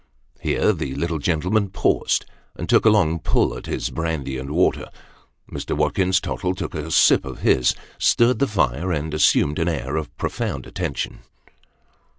Here, the little gentleman paused, and took a long pull at his brandy and water. Mr. Watkins Tottle took a sip of his, stirred the fire, and assumed an air of profound attention.